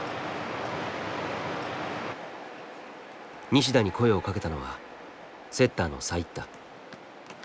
西田に声をかけたのはセッターのサイッタ。